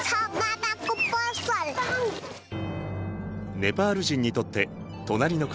ネパール人にとって隣の国